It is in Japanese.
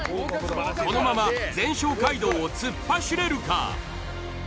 このまま全勝街道を突っ走れるか？